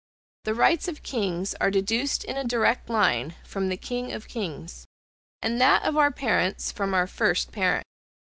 The rights of kings are deduced in a direct line from the King of kings; and that of parents from our first parent.